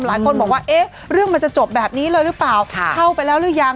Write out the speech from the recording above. หลายคนบอกว่าเอ๊ะเรื่องมันจะจบแบบนี้เลยหรือเปล่าเข้าไปแล้วหรือยัง